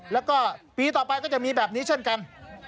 แล้วก็ปีต่อไปก็จะมีแบบนี้เช่นกัน